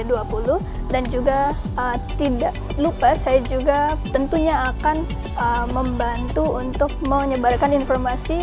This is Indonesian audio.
juga tidak lupa saya juga tentunya akan membantu untuk menyebarkan informasi